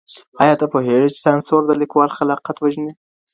ايا ته پوهېږې چي سانسور د ليکوال خلاقيت وژني؟